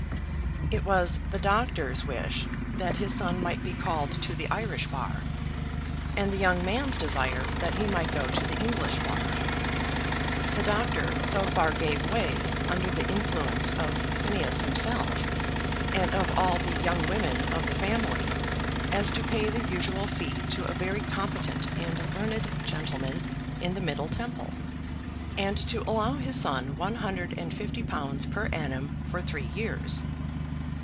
It was the doctor's wish that his son might be called to the Irish Bar, and the young man's desire that he might go to the English Bar. The doctor so far gave way, under the influence of Phineas himself, and of all the young women of the family, as to pay the usual fee to a very competent and learned gentleman in the Middle Temple, and to allow his son one hundred and fifty pounds per annum for three years.